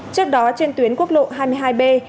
trước đó trên tuyến quốc lộ hai mươi hai b